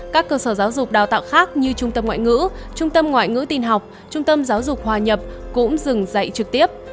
các cơ sở giáo dục đào tạo khác như trung tâm ngoại ngữ trung tâm ngoại ngữ tin học trung tâm giáo dục hòa nhập cũng dừng dạy trực tiếp